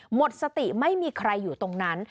หมดสติไม่มีใครอยู่ตรงนั้น